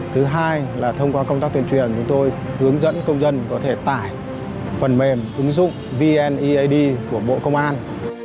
thứ hai là thông qua công tác tuyên truyền chúng tôi hướng dẫn công dân có thể tải phần mềm ứng dụng vneid của bộ công an